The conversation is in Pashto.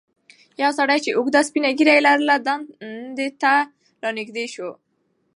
یو سړی چې اوږده سپینه ږیره یې لرله ډنډ ته رانږدې شو.